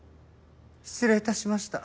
失礼致しました。